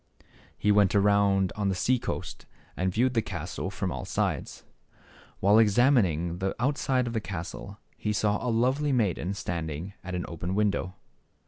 He went around on the sea coast and viewed the %3. castle from all sides. While examining the outside of the castle, he saw a lovely maiden standing at an open window.